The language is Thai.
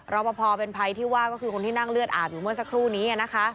รอปภเป็นภัยที่ว่าก็คือคนที่นั่งเลือดอาบอยู่เมื่อสักครู่นี้นะคะ